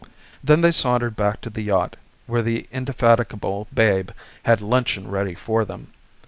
Then they sauntered back to the yacht, where the indefatigable Babe had luncheon ready for them.